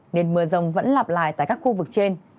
nên mưa rồng vẫn lặp lại tại các khu vực trên